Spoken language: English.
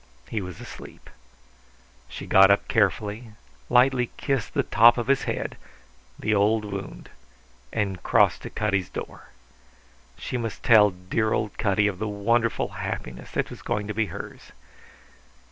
He was asleep. She got up carefully, lightly kissed the top of his head the old wound and crossed to Cutty's door. She must tell dear old Cutty of the wonderful happiness that was going to be hers.